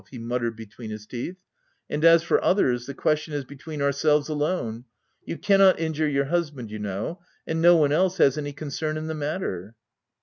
he muttered between his teeth, " and as for others, the question is be tween ourselves alone : you cannot injure your husband, you know ; and no one else has any concern in the matter.